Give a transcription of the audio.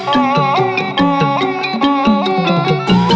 กลับมารับทราบ